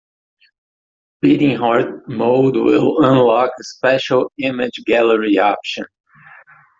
Beating Hard Mode will unlock a special "Image Gallery" option.